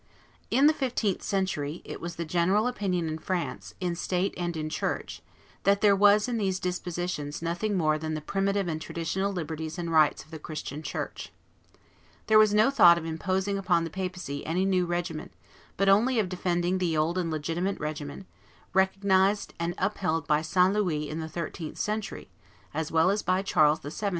In the fifteenth century it was the general opinion in France, in state and in church, that there was in these dispositions nothing more than the primitive and traditional liberties and rights of the Christian church. There was no thought of imposing upon the papacy any new regimen, but only of defending the old and legitimate regimen, recognized and upheld by St. Louis in the thirteenth century as well as by Charles VII.